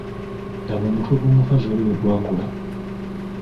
Laba omutwe gw’omukazi oli bwe gwakula!